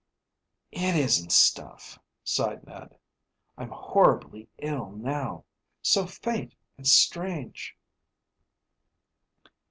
"It isn't stuff," sighed Ned. "I'm horribly ill now. So faint and strange."